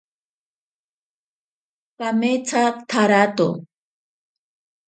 Kametsa tsarato.